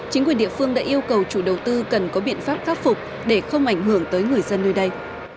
chính quyền địa phương đã yêu cầu chủ đầu tư cần có biện pháp khắc phục để không ảnh hưởng tới người dân nơi đây